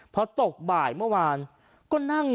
พอตกบ่ายเมื่อวาน